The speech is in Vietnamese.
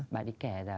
bạn ấy kể là